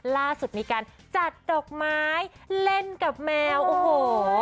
ล่าสุดมีการจัดดอกไม้เล่นกับแมวโอ้โห